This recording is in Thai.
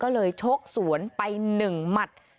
ก็เลยชกสวนไป๑หมัด